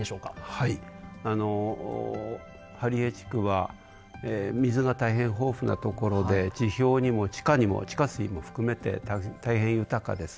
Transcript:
はい針江地区は水が大変豊富な所で地表にも地下にも地下水も含めて大変豊かです。